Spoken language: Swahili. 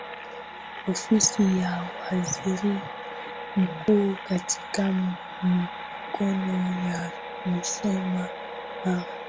Ofisi ya Waziri Mkuu katika mikoa ya Musoma Mara